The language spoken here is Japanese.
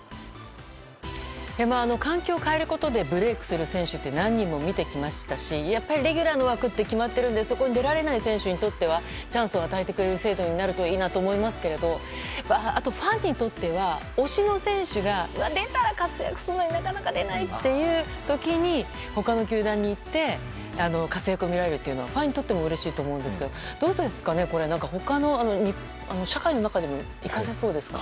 環境を変えることでブレークする選手って何人も見てきましたしレギュラーの枠って決まってるのでそこに出られない選手にとってはチャンスを与えてくれる制度になるといいなと思いますけどあと、ファンにとっては推しの選手が出たら活躍するのになかなか出ないっていう時に他の球団に行って活躍を見られるというのはファンにとってもうれしいと思いますがどうですかね、これって他の、社会の中にも生かせそうですか？